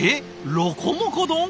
ロコモコ丼？